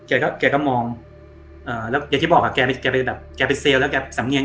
อ่าเกาก็มองอ่าแล้วอย่างที่บอกอะแกไปแบบแกเป็นเซลแล้วแกสำเนียง